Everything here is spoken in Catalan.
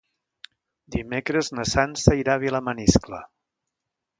Dimecres na Sança irà a Vilamaniscle.